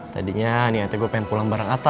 tadinya niatnya gue pengen pulang bareng atta